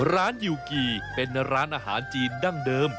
ยูกีเป็นร้านอาหารจีนดั้งเดิม